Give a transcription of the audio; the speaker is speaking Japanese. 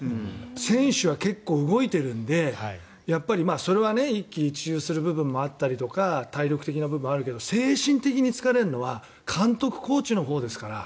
選手は結構、動いてるんでそれは一喜一憂する部分があったりとか体力的な部分もあるけど精神的な部分で疲れるのは監督、コーチのほうですから。